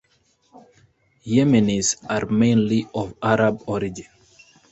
Yemenis are mainly of Arab origin.